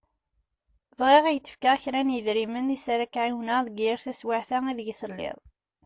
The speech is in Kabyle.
Bɣiɣ ad k-d-fkeɣ kra n yedrimen iss ara k-εiwneɣ deg yir taswiεt-a ideg telliḍ.